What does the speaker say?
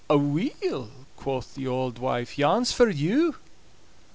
"Aweel," quo' the auld wife, "yon's for you."